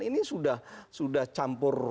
ini sudah campur